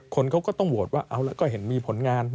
คนเขาก็ต้องโหวตว่าเอาแล้วก็เห็นมีผลงาน